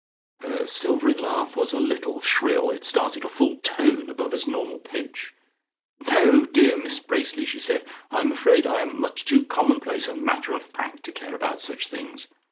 Her silvery laugh was a little shrill. It started a full tone above its normal pitch. "No, dear Miss Bracely," she said. "I am afraid I am much too commonplace and matter of fact to care about such things.